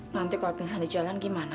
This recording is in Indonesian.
nanti kalau misalnya di jalan gimana